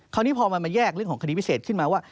คราวนี้พอมันมาแยกเรื่องของคดีพิเศษขึ้นมาว่า